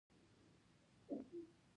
دا سمه خبره نه ده.